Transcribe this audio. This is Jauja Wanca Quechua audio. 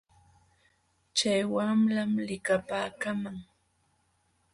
Chay wamlam likapaaykaaman.